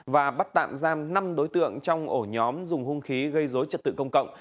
và bắt tạm giam năm đối tượng trong ổ nhóm dùng hung khí gây dối trật tự công cộng